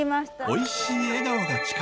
おいしい笑顔が力の源。